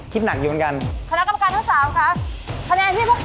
ช่วยฝังดินหรือกว่า